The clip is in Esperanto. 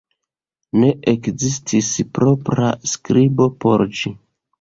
Ne ekzistis propra skribo por ĝi.